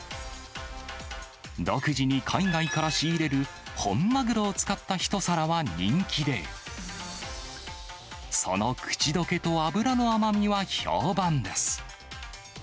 独自に海外から仕入れる本マグロを使った一皿は人気で、その口どけと脂の甘みは評判です。